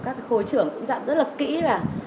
các khối trưởng cũng dặn rất là kĩ là